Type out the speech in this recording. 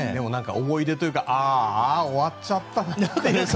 思い出というかあーあ、終わっちゃったなって。